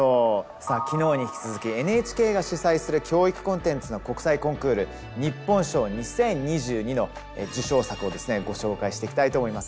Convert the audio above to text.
さあ昨日に引き続きＮＨＫが主催する教育コンテンツの国際コンクール日本賞２０２２の受賞作をご紹介していきたいと思います。